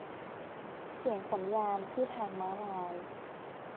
เสียงสัญญาณที่ทางม้าลาย